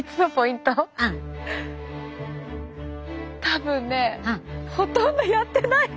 多分ねほとんどやってない。